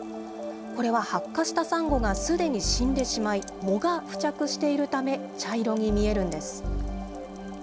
これは白化したサンゴがすでに死んでしまい、藻が付着しているため、茶色に見えるんです。